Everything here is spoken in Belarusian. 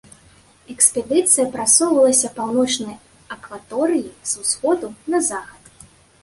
Экспедыцыя прасоўвалася паўночнай акваторыяй з усходу на захад.